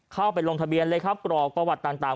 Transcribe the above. ไปลงทะเบียนเลยครับกรอกประวัติต่าง